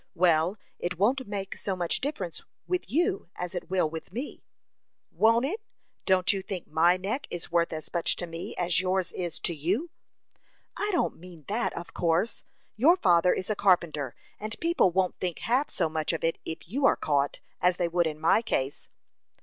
"Well, it won't make so much difference with you as it will with me." "Won't it! Don't you think my neck is worth as much to me as yours is to you?" "I don't mean that, of course. Your father is a carpenter, and people won't think half so much of it if you are caught, as they would in my case."